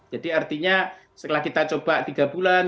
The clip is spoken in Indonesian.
jadi artinya setelah kita coba tiga bulan